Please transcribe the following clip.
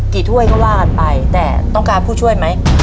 ถ้วยก็ว่ากันไปแต่ต้องการผู้ช่วยไหม